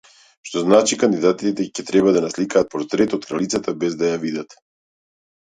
Што значи, кандидатите ќе треба да насликаат портрет од кралицата без да ја видат!